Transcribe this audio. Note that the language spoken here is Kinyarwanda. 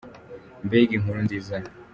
Mbega inkuru nziza!